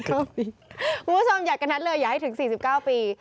คุณผู้ชมอย่ากระนัดเลยอย่าให้ถึง๔๙ปี